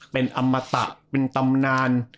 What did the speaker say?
เป็นอมตะเป็นตำนาน